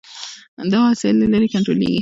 دا وسایل له لرې کنټرولېږي.